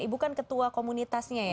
ibu kan ketua komunitasnya ya